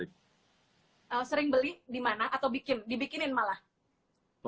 sering beli dimana atau dibikinin malah